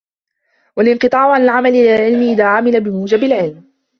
وَالِانْقِطَاعُ عَنْ الْعَمَلِ إلَى الْعِلْمِ إذَا عَمِلَ بِمُوجِبِ الْعِلْمِ